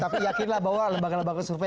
tapi yakinlah bahwa lembaga lembaga survei